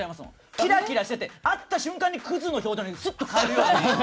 キラキラしてて、会った瞬間にクズの表情にスッと変わるようになったんですよ。